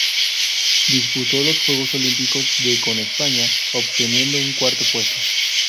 Disputó los Juegos Olímpicos de con España, obteniendo un cuarto puesto.